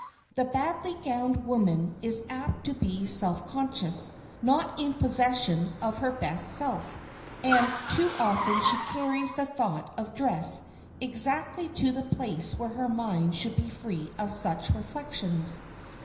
The badly gowned woman is apt to be self conscious, not in possession of her best self; and too often she carries the thought of dress exactly to the place where her mind should be free of such reflections.